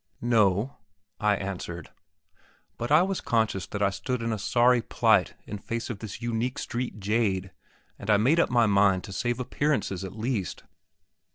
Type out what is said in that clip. "No," I answered. But I was conscious that I stood in a sorry plight in face of this unique street jade, and I made up my mind to save appearances at least.